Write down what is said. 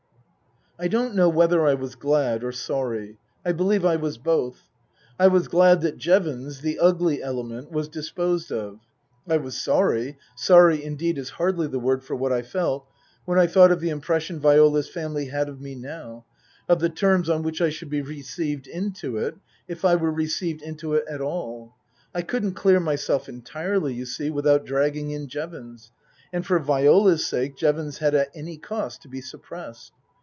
I don't know whether I was glad or sorry. I believe I was both. I was glad that Jevons the ugly element was disposed of. I was sorry sorry, indeed, is hardly the word for what I felt when I thought of the impression Viola's family had of me now ; of the terms on which I should be received into it if I were received into it at all. I couldn't clear myself entirely, you see, without dragging in Jevons, and for Viola's sake Jevons had at any cost to be suppressed.